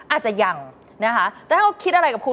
อาจจะยังนะคะแต่ถ้าเขาคิดอะไรกับคุณ